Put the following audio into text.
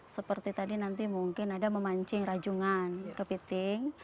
seperti tadi nanti mungkin ada memancing rajungan kepiting